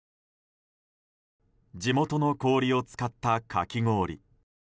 地元の氷を使った、かき氷。